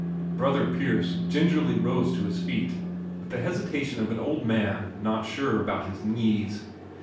Brother Pierce rose gingerly to his feet, with the hesitation of an old man not sure about his knees.